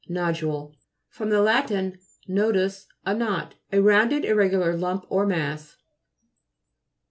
NO'DTTI.E fr. lat. nodus, a knot. A rounded irregular lump or mass.